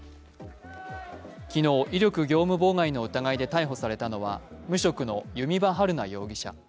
昨日、威力業務妨害の疑いで逮捕されたのは、無職の弓場晴菜容疑者。